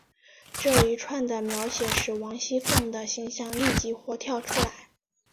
这一串的描写使王熙凤的形象立即活跳出来。